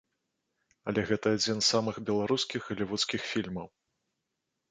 Але гэта адзін з самых беларускіх галівудскіх фільмаў.